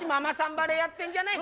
バレーやってんじゃない。